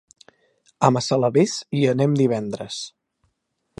A Massalavés hi anem divendres.